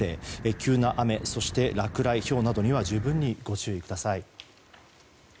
急な雨、そして落雷ひょうなどには十分にご注意ください。